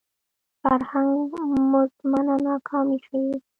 فرهنګ مزمنه ناکامي ښيي